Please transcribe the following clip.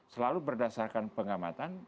selalu berdasarkan pengamatan